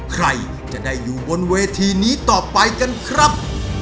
ใครจะได้อยู่บนเวทีนี้ต่อไปกันครับ